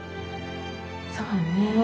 そうね。